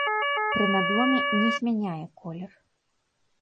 Пры надломе не змяняе колер.